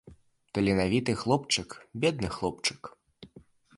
Таленавіты хлопчык, бедны хлопчык.